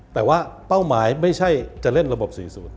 แต่ว่าเป้าหมายไม่ใช่จะเล่นระบบ๔๐